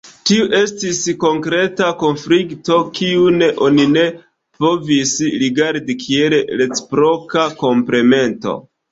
Tiu estis konkreta konflikto, kiun oni ne povis rigardi kiel reciproka komplemento.